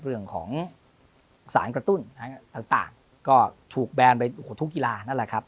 เรื่องของสารกระตุ้นต่างก็ถูกแบนไปทุกกีฬานั่นแหละครับ